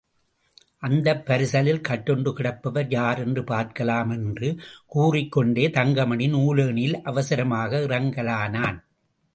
அந்தப் பரிசலில் கட்டுண்டு கிடப்பவர் யாரென்று பார்க்கலாம் என்று கூறிக்கொண்டே தங்கமணி நூலேணியில் அவசரமாக இறங்கலானான்.